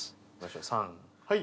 はい！